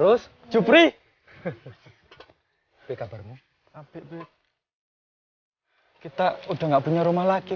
terus cupri kekabarannya abis kita udah nggak punya rumah lagi